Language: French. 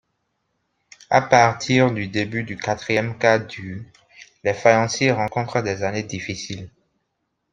À partir du début du quatrième quart du les faïenciers rencontrent des années difficiles.